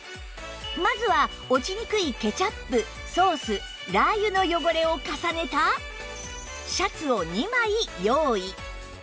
まずは落ちにくいケチャップソースラー油の汚れを重ねたシャツを２枚用意